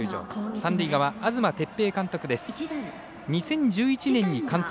三塁側、東哲平監督。